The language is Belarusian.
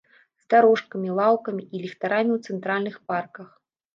З дарожкамі, лаўкамі і ліхтарамі ў цэнтральных парках.